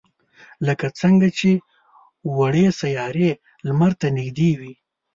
لکه څنگه چې وړې سیارې لمر ته نږدې وي.